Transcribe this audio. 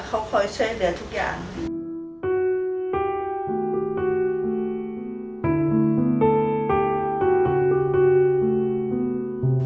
เขาคอยช่วยเหลือทุกอย่าง